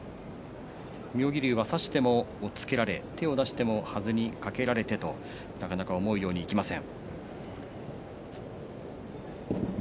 妙義龍は差しても押っつけられ手を出してもはずにかけられてなかなか思うようにいきません。